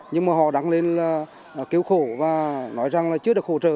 nhưng mà họ đăng lên là kêu khổ và nói rằng là chưa được hỗ trợ